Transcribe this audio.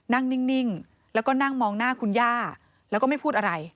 นิ่งแล้วก็นั่งมองหน้าคุณย่าแล้วก็ไม่พูดอะไร